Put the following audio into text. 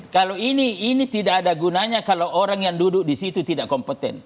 kalau ini ini tidak ada gunanya kalau orang yang duduk di situ tidak kompeten